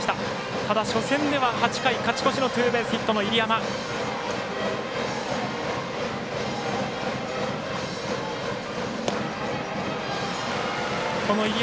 ただ、初戦では勝ち越しのツーベースヒットの入山。